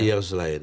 iya kasus lain